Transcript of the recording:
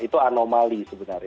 itu anomali sebenarnya